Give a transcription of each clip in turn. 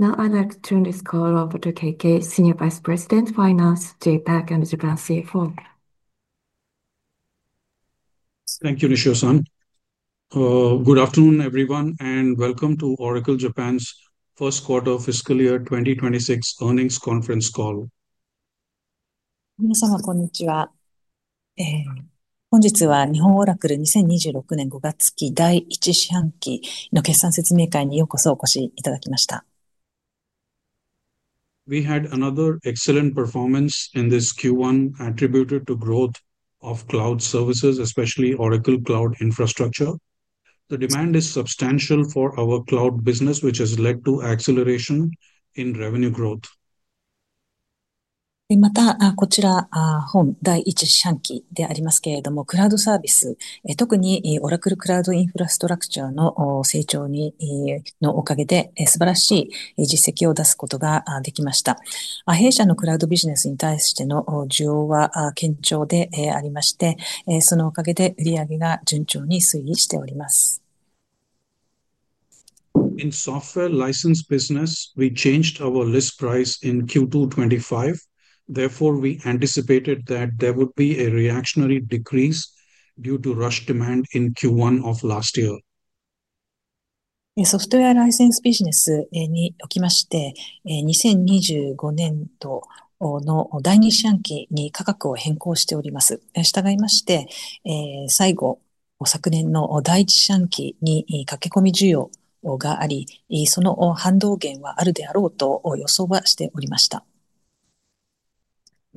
Now I'd like to turn this call over to KK, Senior Vice President, Finance, JPAC, and the Japan CFO. Thank you, Rishi Sun. Good afternoon, everyone, and welcome to Oracle Japan's first quarter fiscal year 2026 earnings conference call. 皆様、こんにちは。本日は日本オラクル2026年5月期第1四半期の決算説明会にようこそお越しいただきました。We had another excellent performance in this Q1 attributed to growth of cloud services, especially Oracle Cloud Infrastructure. The demand is substantial for our cloud business, which has led to acceleration in revenue growth. また、こちら本第1四半期でありますけれども、クラウドサービス、特にOracle Cloud Infrastructureの成長のおかげで、素晴らしい実績を出すことができました。弊社のクラウドビジネスに対しての需要は堅調でありまして、そのおかげで売上が順調に推移しております。In software license business, we changed our list price in Q2 2025. Therefore, we anticipated that there would be a reactionary decrease due to rushed demand in Q1 of last year. ソフトウェアライセンスビジネスにおきまして、2025年度の第2四半期に価格を変更しております。従いまして、最後、昨年の第1四半期に駆け込み需要があり、その反動減はあるであろうと予想はしておりました。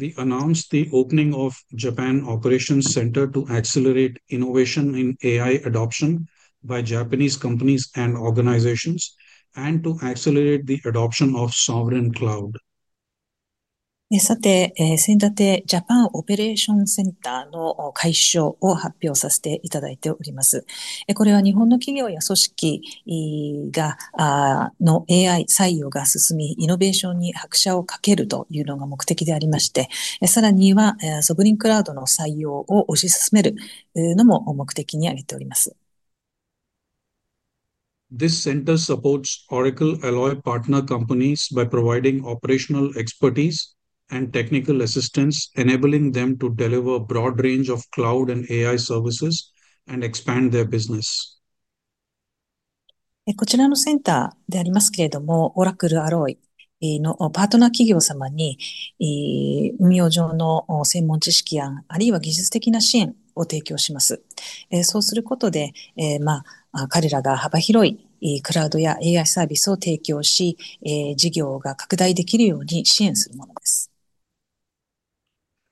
We announced the opening of Japan Operations Center to accelerate innovation in AI adoption by Japanese companies and organizations, and to accelerate the adoption of sovereign cloud. さて、新立てJapan Operations Centerの開始を発表させていただいております。これは日本の企業や組織がAI採用が進み、イノベーションに拍車をかけるというのが目的でありまして、さらには、ソブリンクラウドの採用を推し進めるのも目的に挙げております。This center supports Oracle ally partner companies by providing operational expertise and technical assistance, enabling them to deliver a broad range of cloud and AI services and expand their business.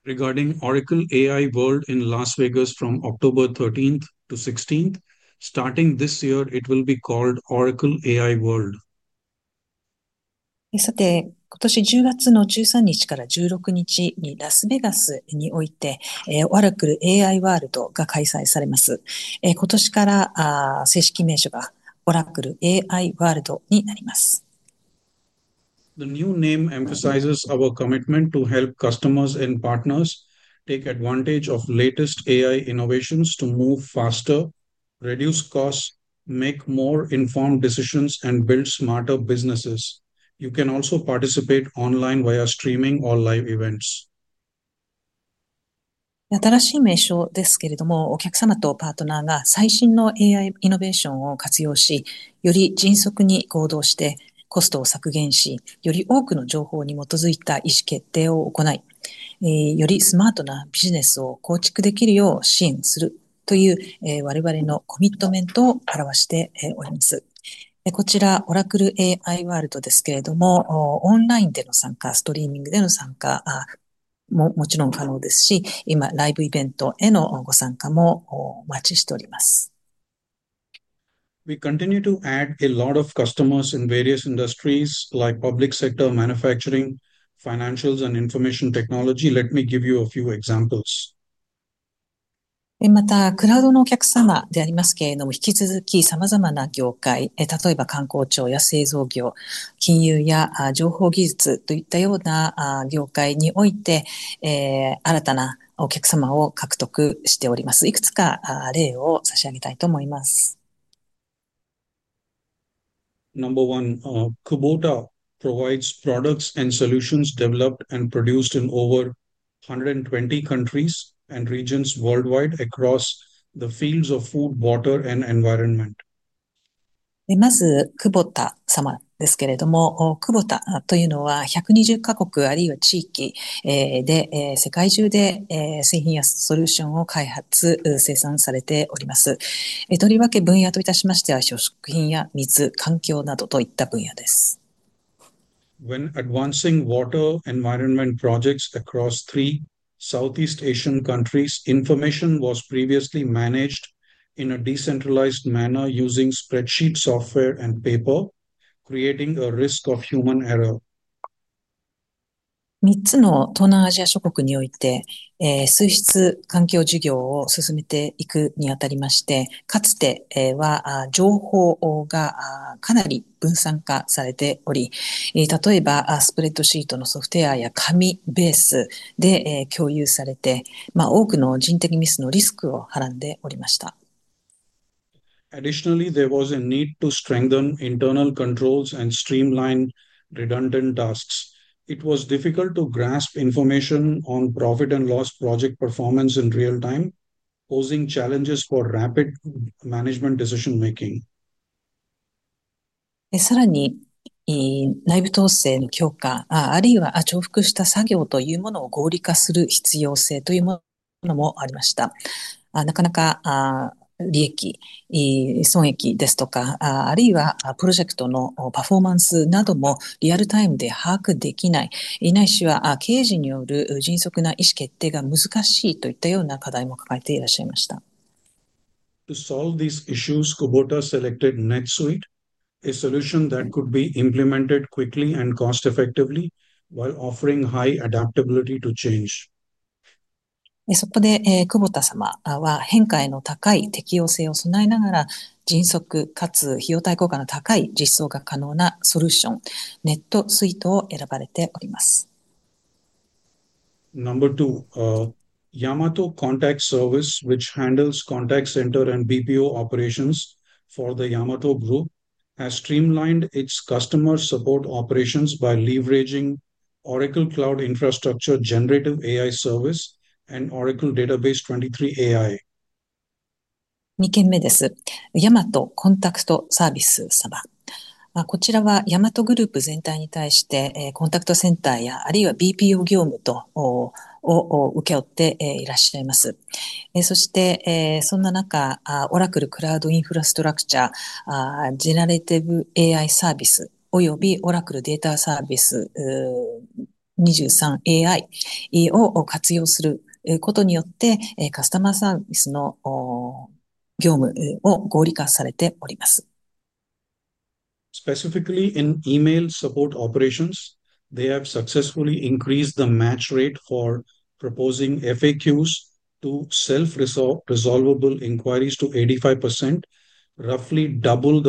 こちらのセンターでありますけれども、Oracle Alloyのパートナー企業様に運用上の専門知識や技術的な支援を提供します。そうすることで、彼らが幅広いクラウドやAIサービスを提供し、事業が拡大できるように支援するものです。Regarding Oracle AI World in Las Vegas from October 13th to 16th, starting this year, it will be called Oracle AI World. さて、今年10月の13日から16日にラスベガスにおいて、Oracle AI Worldが開催されます。今年から、正式名称がOracle AI Worldになります。The new name emphasizes our commitment to help customers and partners take advantage of latest AI innovations to move faster, reduce costs, make more informed decisions, and build smarter businesses. You can also participate online via streaming or live events. 新しい名称ですけれども、お客様とパートナーが最新のAIイノベーションを活用し、より迅速に行動して、コストを削減し、より多くの情報に基づいた意思決定を行い、よりスマートなビジネスを構築できるよう支援するという我々のコミットメントを表しております。こちらOracle AI Worldですけれども、オンラインでの参加、ストリーミングでの参加ももちろん可能ですし、今、ライブイベントへのご参加もお待ちしております。We continue to add a lot of customers in various industries, like public sector, manufacturing, financials, and information technology. Let me give you a few examples. また、クラウドのお客様でありますけれども、引き続き様々な業界、例えば、官公庁や製造業、金融や情報技術といったような業界において、新たなお客様を獲得しております。いくつか例を差し上げたいと思います。Number one, Kubota provides products and solutions developed and produced in over 120 countries and regions worldwide across the fields of food, water, and environment. まず、Kubota様ですけれども、Kubotaというのは120カ国あるいは地域で、世界中で製品やソリューションを開発、生産されております。とりわけ分野といたしましては、食品や水、環境などといった分野です。When advancing water environment projects across three Southeast Asian countries, information was previously managed in a decentralized manner using spreadsheet software and paper, creating a risk of human error. 3つの東南アジア諸国において、水質環境事業を進めていくにあたりまして、かつて情報がかなり分散化されており、例えばスプレッドシートのソフトウェアや紙ベースで共有されて、多くの人的ミスのリスクをはらんでおりました。Additionally, there was a need to strengthen internal controls and streamline redundant tasks. It was difficult to grasp information on profit and loss project performance in real time, posing challenges for rapid management decision-making. さらに、内部統制の強化、あるいは重複した作業というものを合理化する必要性というものもありました。なかなか利益、損益ですとか、あるいはプロジェクトのパフォーマンスなどもリアルタイムで把握できない、ないしは経営陣による迅速な意思決定が難しいといったような課題も抱えていらっしゃいました。To solve these issues, Kubota selected NetSuite, a solution that could be implemented quickly and cost-effectively while offering high adaptability to change. そこで、Kubota様は、変化への高い適応性を備えながら、迅速かつ費用対効果の高い実装が可能なソリューション、NetSuiteを選ばれております。Number two, Yamato Contact Service, which handles contact center and BPO operations for the Yamato Group, has streamlined its customer support operations by leveraging Oracle Cloud Infrastructure Generative AI Service and Oracle Database 23 AI. 2件目です。ヤマトコンタクトサービス様。こちらはヤマトグループ全体に対して、コンタクトセンターや、あるいはBPO業務を請け負っていらっしゃいます。そして、そんな中、Oracle Cloud Infrastructure Generative AI ServiceおよびOracle Data Service 23 AIを活用することによって、カスタマーサービスの業務を合理化されております。Specifically, in email support operations, they have successfully increased the match rate for proposing FAQs to self-resolvable inquiries to 85%, roughly double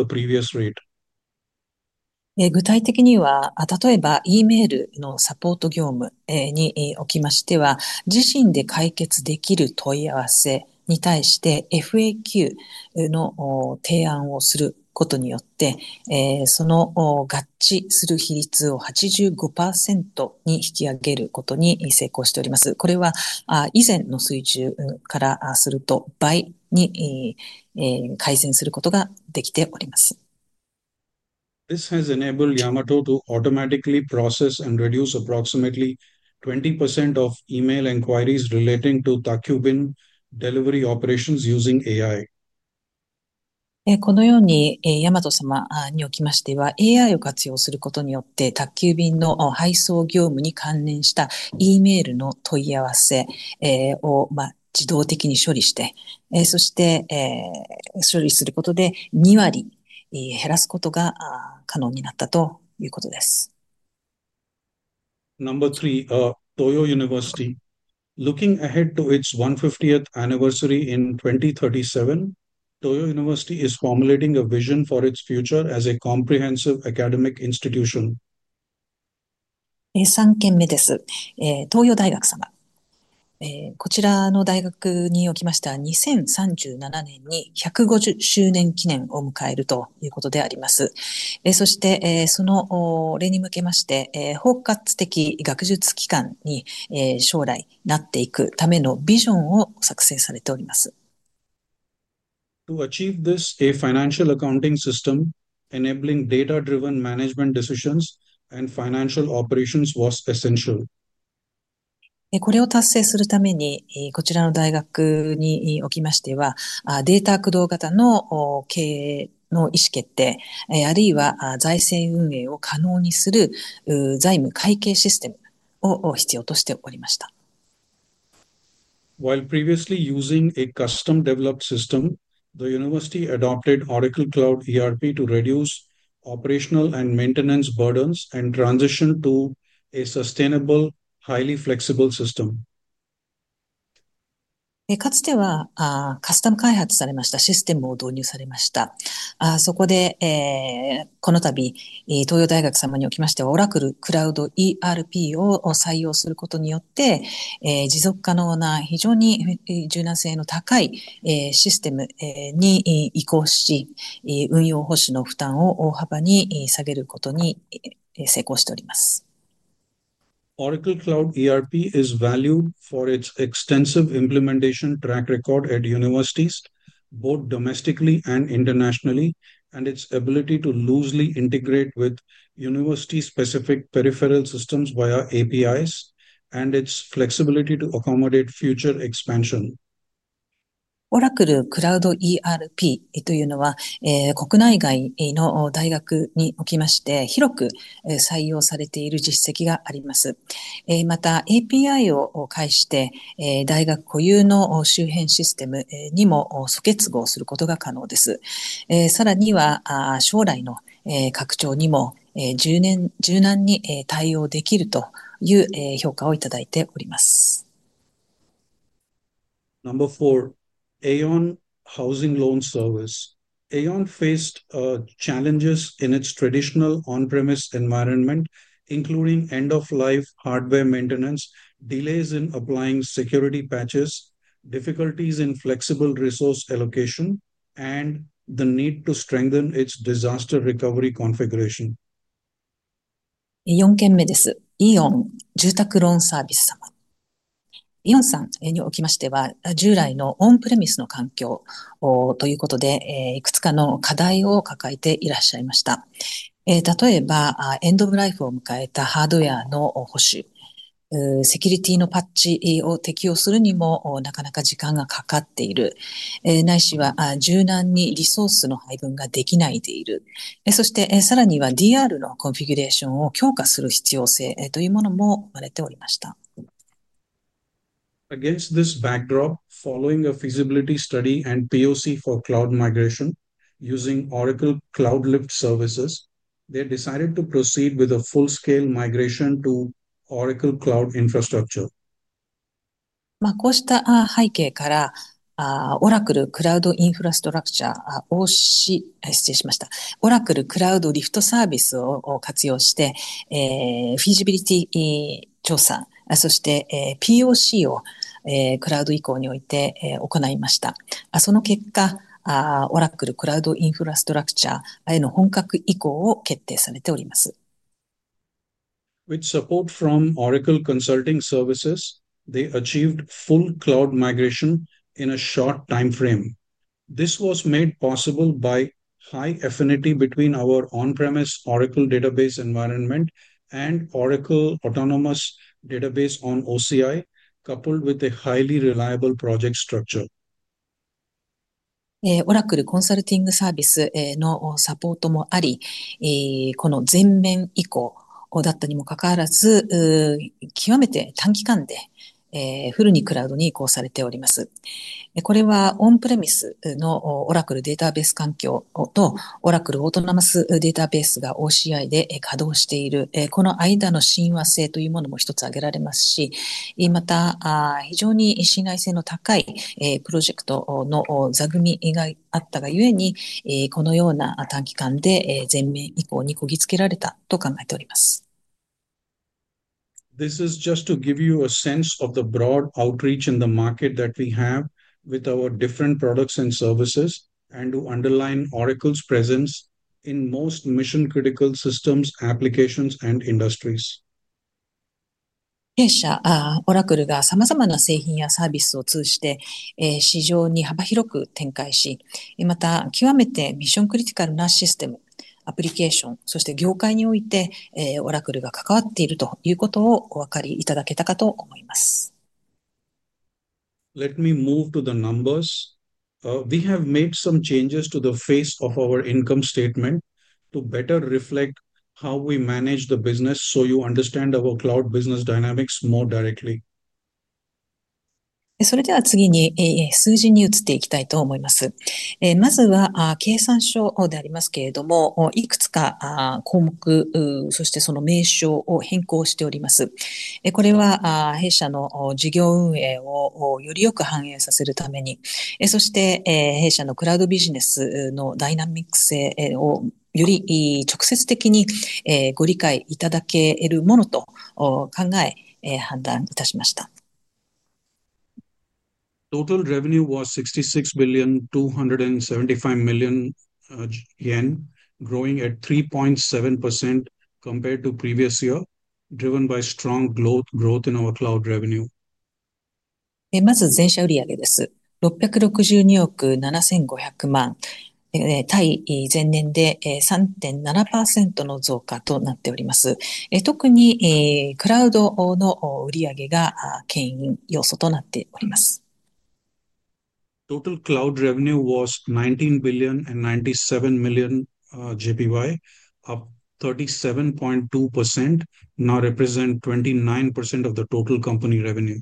the previous rate. 具体的には、例えばEメールのサポート業務におきましては、自身で解決できる問い合わせに対してFAQの提案をすることによって、その合致する比率を85%に引き上げることに成功しております。これは以前の水準からすると倍に改善することができております。This has enabled Yamato to automatically process and reduce approximately 20% of email inquiries relating to TAKKYUBIN delivery operations using AI. このように、ヤマト様におきましては、AIを活用することによって、宅急便の配送業務に関連したEメールの問い合わせを自動的に処理して、そして処理することで、2割減らすことが可能になったということです。Number three, Toyo University. Looking ahead to its 150th anniversary in 2037, Toyo University is formulating a vision for its future as a comprehensive academic institution. 3件目です。東洋大学様。こちらの大学におきましては、2037年に150周年記念を迎えるということであります。そして、それに向けまして、包括的学術機関に将来なっていくためのビジョンを作成されております。To achieve this, a financial accounting system enabling data-driven management decisions and financial operations was essential. While previously using a custom-developed system, the university adopted Oracle Cloud ERP to reduce operational and maintenance burdens and transition to a sustainable, highly flexible system. かつては、カスタム開発されたシステムを導入されました。そこで、この度、東洋大学様におきましては、Oracle Cloud ERPを採用することによって、持続可能な非常に柔軟性の高いシステムに移行し、運用保守の負担を大幅に下げることに成功しております。Oracle Cloud ERP is valued for its extensive implementation track record at universities, both domestically and internationally, and its ability to loosely integrate with university-specific peripheral systems via APIs, and its flexibility to accommodate future expansion. Oracle Cloud ERPというのは、国内外の大学において広く採用されている実績があります。また、APIを介して大学固有の周辺システムにも疎結合することが可能です。さらには、将来の拡張にも柔軟に対応できるという評価をいただいております。Number four, Aon Housing Loan Service. Aon faced challenges in its traditional on-premise environment, including end-of-life hardware maintenance, delays in applying security patches, difficulties in flexible resource allocation, and the need to strengthen its disaster recovery configuration. 4件目です。イオン住宅ローンサービス様。イオンさんにおきましては、従来のオンプレミスの環境ということで、いくつかの課題を抱えていらっしゃいました。例えば、エンドオブライフを迎えたハードウェアの保守、セキュリティのパッチを適用するにも、なかなか時間がかかっている、ないしは、柔軟にリソースの配分ができないでいる、そして、さらにはDRのコンフィギュレーションを強化する必要性というものも生まれておりました。Against this backdrop, following a feasibility study and POC for cloud migration using Oracle Cloud Lift Services, they decided to proceed with a full-scale migration to Oracle Cloud Infrastructure. まあ、こうした背景から、Oracle Cloud Infrastructure、OCI を指定しました。Oracle Cloud Lift Service を活用して、フィジビリティ調査、そして POC をクラウド移行において行いました。その結果、Oracle Cloud Infrastructure への本格移行を決定されております。With support from Oracle Consulting Services, they achieved full cloud migration in a short timeframe. This was made possible by high affinity between our on-premise Oracle database environment and Oracle Autonomous Database on OCI, coupled with a highly reliable project structure. Oracleコンサルティングサービスのサポートもあり、この全面移行だったにもかかわらず、極めて短期間でフルにクラウドに移行されております。これは、オンプレミスのOracleデータベース環境とOracle Autonomous DatabaseがOCIで稼働している、この間の親和性というものも一つ挙げられますし、また、非常に信頼性の高いプロジェクトの座組があったがゆえに、このような短期間で全面移行にこぎつけられたと考えております。This is just to give you a sense of the broad outreach in the market that we have with our different products and services and to underline Oracle's presence in most mission-critical systems, applications, and industries. 弊社、Oracleが様々な製品やサービスを通じて、市場に幅広く展開し、また、極めてミッションクリティカルなシステム、アプリケーション、そして業界において、Oracleが関わっているということをお分かりいただけたかと思います。Let me move to the numbers. We have made some changes to the face of our income statement to better reflect how we manage the business so you understand our cloud business dynamics more directly. Total revenue was ¥66,275,000,000, growing at 3.7% compared to previous year, driven by strong growth in our cloud revenue.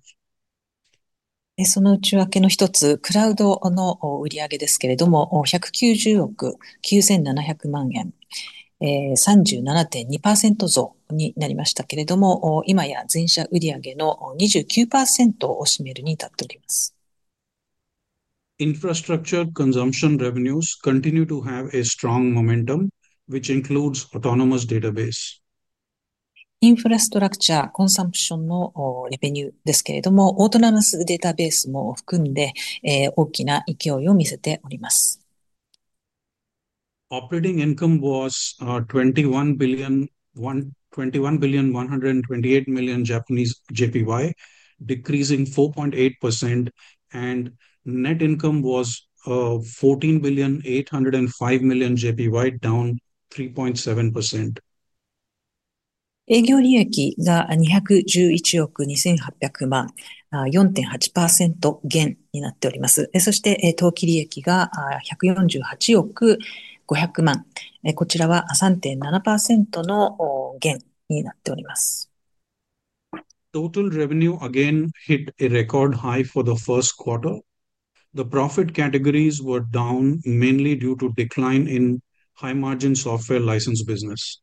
まず、全社売上です。662億7,500万円、前年対比3.7%の増加となっております。特に、クラウドの売上が牽引要素となっております。Total cloud revenue was ¥19,097,000,000, up 37.2%, now represents 29% of the total company revenue. その内訳の一つ、クラウド売上ですけれども、190億9,700万円、37.2%増になりましたけれども、今や全社売上の29%を占めるに至っております。Infrastructure consumption revenues continue to have strong momentum, which includes autonomous database. インフラストラクチャー、コンサンプションのレベニューですけれども、オートナナスデータベースも含んで、大きな勢いを見せております。Operating income was ¥21,128,000,000, decreasing 4.8%, and net income was ¥14,805,000,000, down 3.7%. 営業利益が211億2,800万、4.8%減になっております。そして当期利益が148億500万、こちらは3.7%の減になっております。Total revenue again hit a record high for the first quarter. The profit categories were down mainly due to decline in high-margin software license business.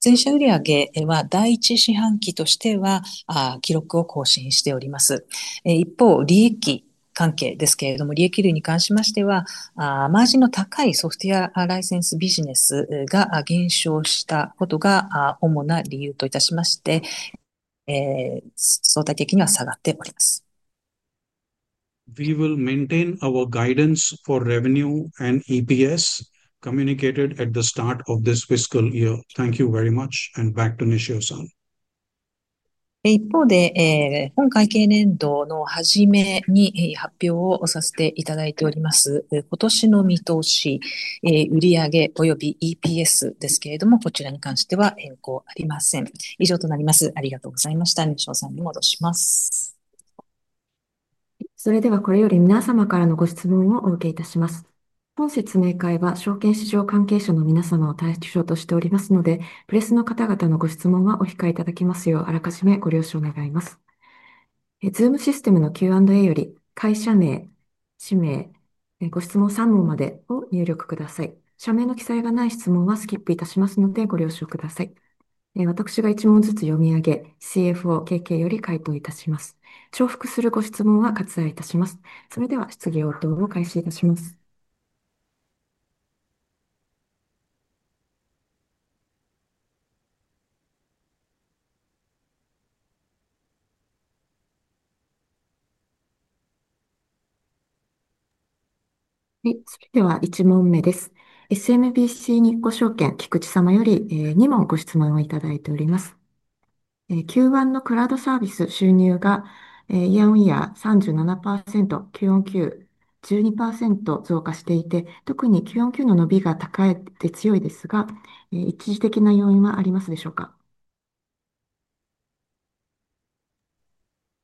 全社売上は第1四半期としては記録を更新しております。一方、利益関係ですけれども、利益率に関しましては、マージンの高いソフトウェアライセンスビジネスが減少したことが主な理由といたしまして、相対的には下がっております。We will maintain our guidance for revenue and EPS communicated at the start of this fiscal year. Thank you very much, and back to Ms. Shio-san. 一方で、本会計年度の初めに発表をさせていただいております今年の見通し、売上およびEPSですけれども、こちらに関しては変更ありません。以上となります。ありがとうございました。ミッシェルさんに戻します。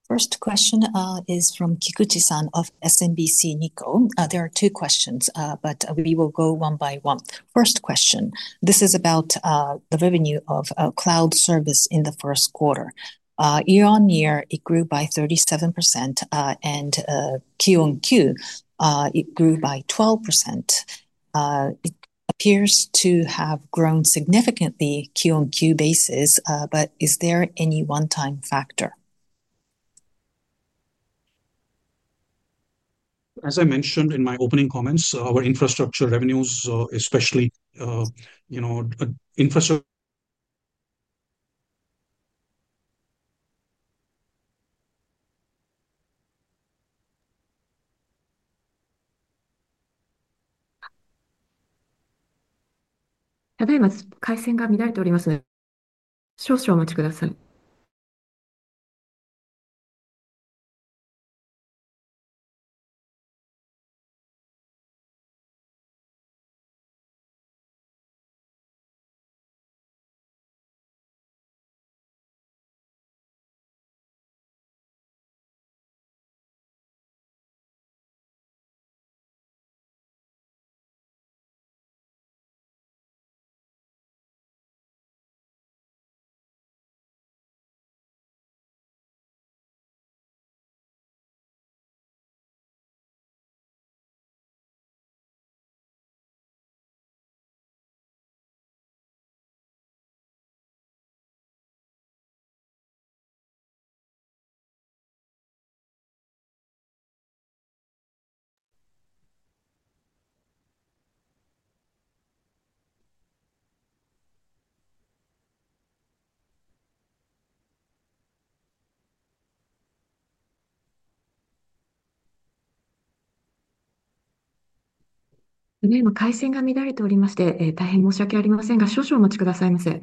First question is from Kikuji-san of SMBC Nikko. There are two questions, but we will go one by one. First question, this is about the revenue of cloud service in the first quarter. Year on year, it grew by 37%, and Q-on-Q, it grew by 12%. It appears to have grown significantly Q-on-Q basis, but is there any one-time factor? As I mentioned in my opening comments, our infrastructure revenues, especially infrastructure.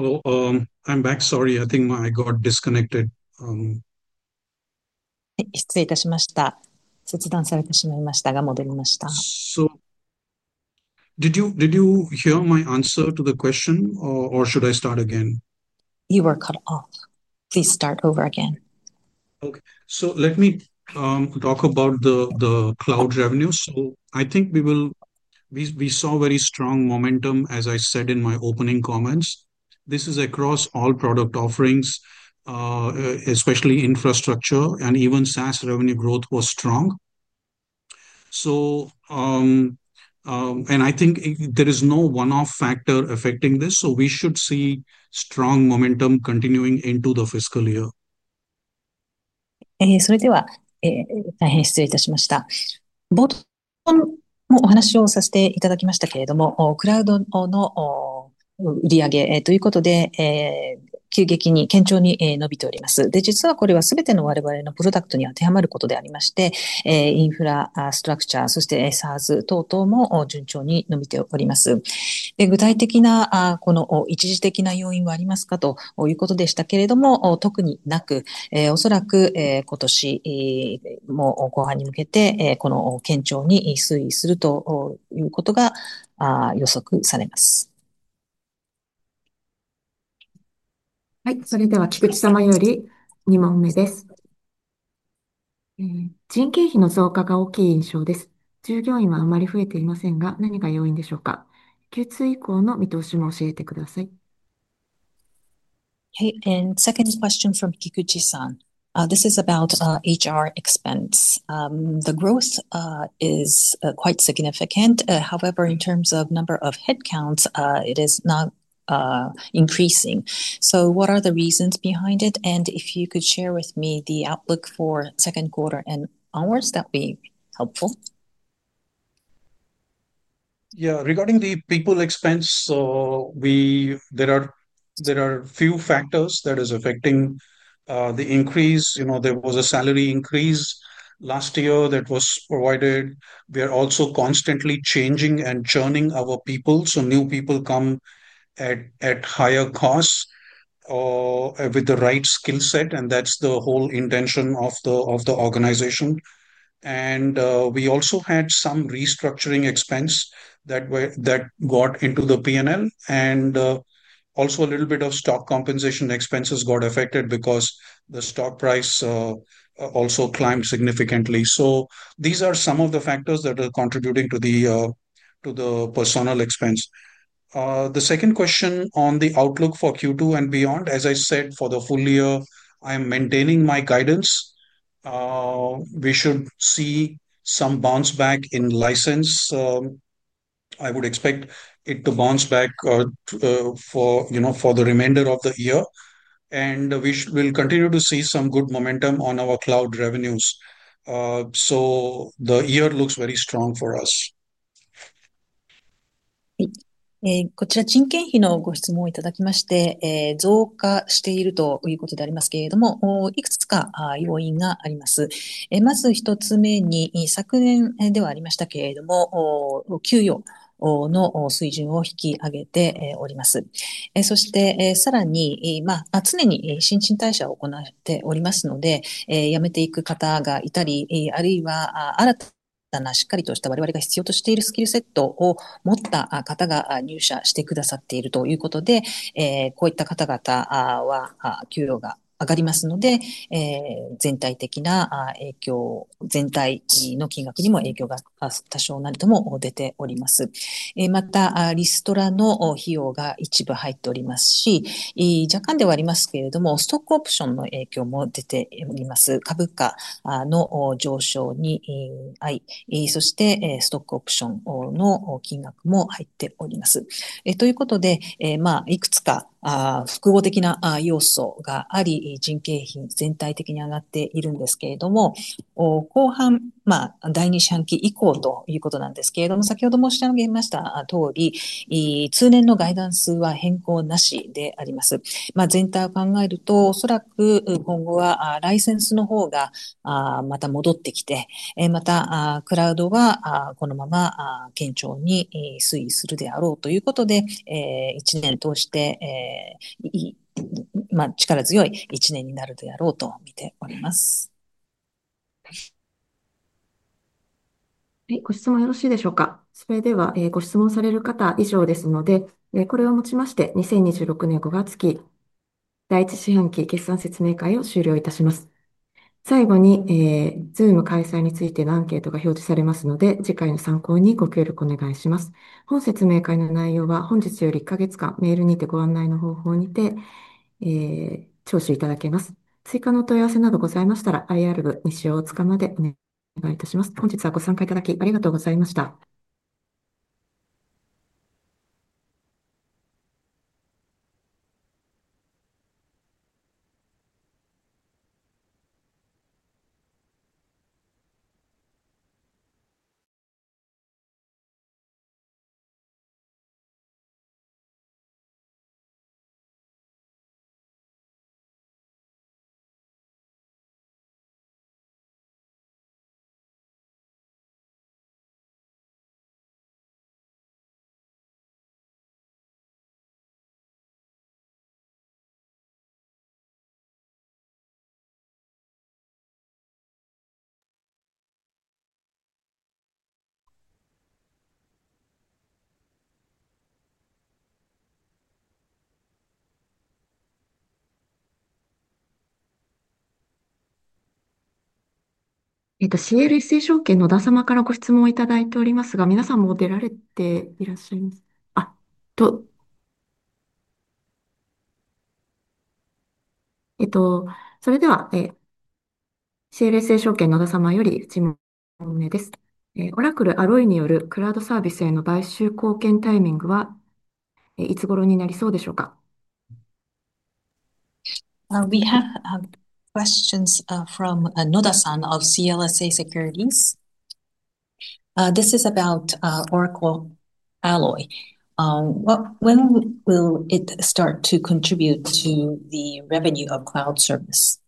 あります。回線が乱れておりますね。少々お待ちください。すみません、今回線が乱れておりまして、大変申し訳ありませんが、少々お待ちくださいませ。Hello. I'm back. Sorry, I think I got disconnected. はい、失礼いたしました。切断されてしまいましたが、戻りました。Did you hear my answer to the question, or should I start again? You were cut off. Please start over again. So let me talk about the cloud revenues. I think we saw very strong momentum, as I said in my opening comments. This is across all product offerings, especially infrastructure, and even SaaS revenue growth was strong. I think there is no one-off factor affecting this. We should see strong momentum continuing into the fiscal year. はい、それでは菊池様より、2問目です。人件費の増加が大きい印象です。従業員はあまり増えていませんが、何が要因でしょうか。Q2以降の見通しも教えてください。Hey, and second question from Kikuji-san. This is about HR expense. The growth is quite significant. However, in terms of number of headcounts, it is not increasing. So what are the reasons behind it? And if you could share with me the outlook for second quarter and hours, that would be helpful. Regarding the people expense, there are a few factors that are affecting the increase. There was a salary increase last year that was provided. We are also constantly changing and churning our people. So new people come at higher costs, with the right skill set, and that's the whole intention of the organization. We also had some restructuring expense that got into the P&L, and also a little bit of stock compensation expenses got affected because the stock price also climbed significantly. So these are some of the factors that are contributing to the personal expense. The second question on the outlook for Q2 and beyond, as I said, for the full year, I am maintaining my guidance. We should see some bounce back in license. I would expect it to bounce back for the remainder of the year. We will continue to see some good momentum on our cloud revenues. So the year looks very strong for us. はい、ご質問よろしいでしょうか。それでは、ご質問される方、以上ですので、これをもちまして2026年5月期第1四半期決算説明会を終了いたします。最後に、Zoom開催についてのアンケートが表示されますので、次回の参考にご協力お願いします。本説明会の内容は本日より1か月間メールにてご案内の方法にて聴取いただけます。追加のお問い合わせなどございましたらIR部西尾大塚までお願いいたします。本日はご参加いただきありがとうございました。CLSA証券の小田様からご質問をいただいておりますが、皆さんもう出られていらっしゃいます。それでは、CLSA証券の小田様より1問、お願いです。Oracle Alloyによるクラウドサービスへの買収貢献タイミングは、いつ頃になりそうでしょうか。Now we have questions from Noda-san of CLSA Securities. This is about Oracle Alloy. When will it start to contribute to the revenue of cloud service?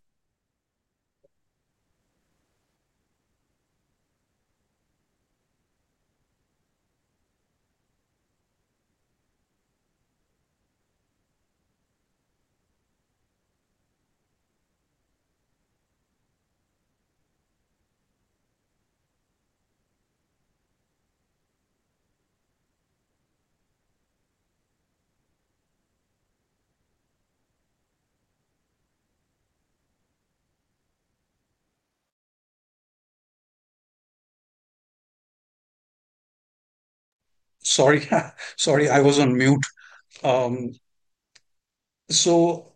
Sorry. Sorry, I was on mute. So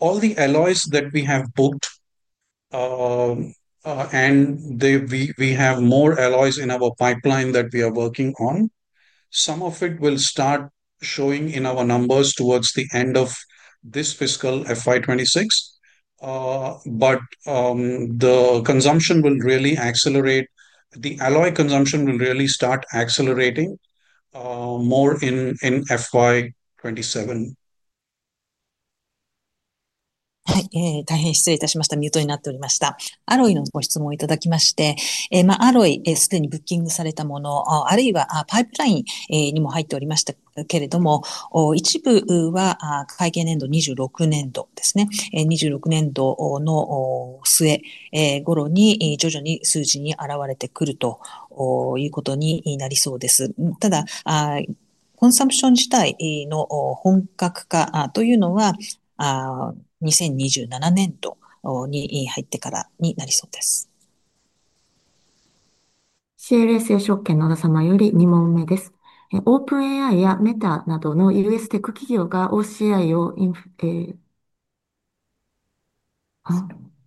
all the alloys that we have booked, and we have more alloys in our pipeline that we are working on. Some of it will start showing in our numbers towards the end of this fiscal FY26. But the consumption will really accelerate. The alloy consumption will really start accelerating more in FY27.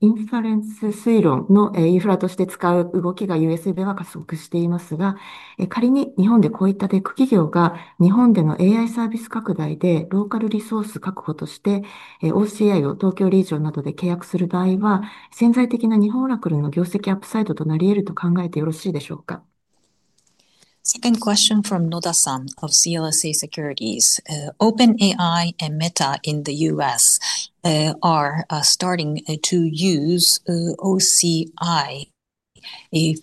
Second question from Noda-san of CLSA Securities. OpenAI and Meta in the US are starting to use OCI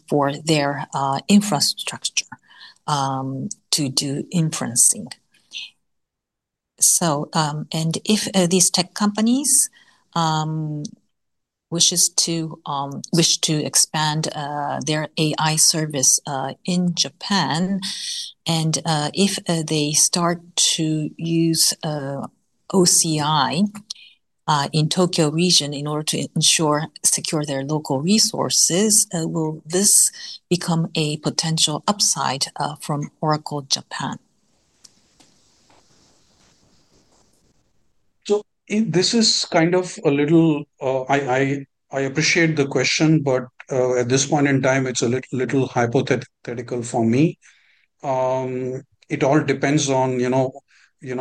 for their infrastructure to do inferencing. So, if these tech companies wish to expand their AI service in Japan, and if they start to use OCI in Tokyo region in order to secure their local resources, will this become a potential upside from Oracle Japan? This is kind of a little, I appreciate the question, but at this point in time, it's a little hypothetical for me. It all depends on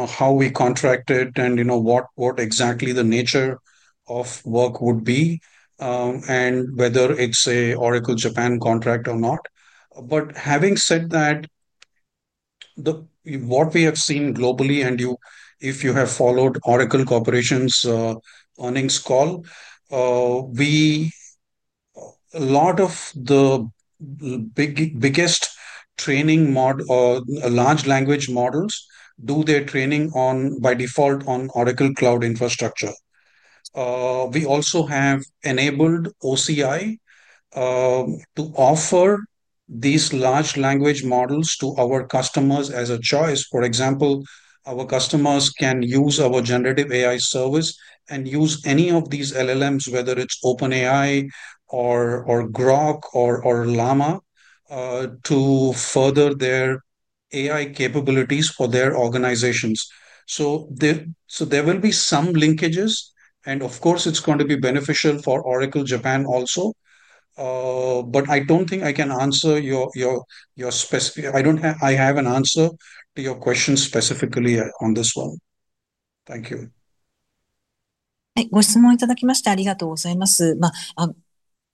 how we contracted and what exactly the nature of work would be, and whether it's an Oracle Japan contract or not. But having said that, what we have seen globally, and if you have followed Oracle Corporation's earnings call, a lot of the biggest training model, large language models do their training on, by default, on Oracle Cloud Infrastructure. We also have enabled OCI to offer these large language models to our customers as a choice. For example, our customers can use our generative AI service and use any of these LLMs, whether it's OpenAI or Grok or Llama, to further their AI capabilities for their organizations. There will be some linkages, and of course, it's going to be beneficial for Oracle Japan also. But I don't think I can answer your specific I don't have an answer to your question specifically on this one. Thank you.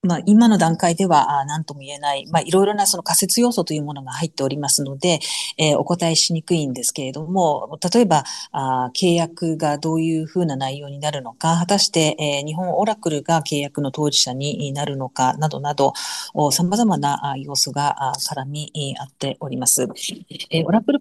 ご質問いただきましてありがとうございます。今の段階では、なんとも言えない、いろいろなその仮説要素というものが入っておりますので、お答えしにくいんですけれども、例えば、契約がどういうふうな内容になるのか、果たして、日本Oracleが契約の当事者になるのかなどなど、様々な要素がさらにあっております。Oracle